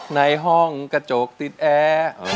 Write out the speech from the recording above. ในห้องกระจกติดแอร์